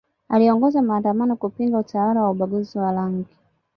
aliongoza maandamano kupinga utawala wa ubaguzi wa rangi